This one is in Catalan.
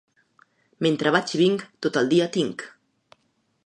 Mentre vaig i vinc, tot el dia tinc.